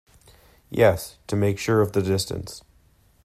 Yes; to make sure of the distance.